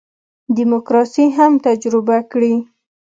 دیموکراسي هم تجربه کړي.